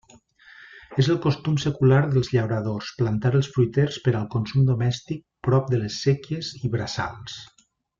És el costum secular dels llauradors plantar els fruiters per al consum domèstic prop de les séquies i braçals.